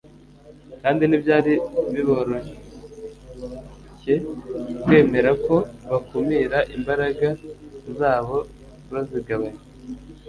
kandi ntibyari biborohcye kwemera ko bakumira imbaraga zabo bazigabanya.